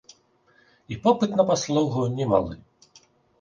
І попыт на паслугу немалы.